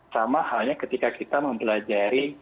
sama halnya ketika kita mempelajari